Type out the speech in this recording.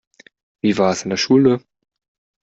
Wie war es in der Schule?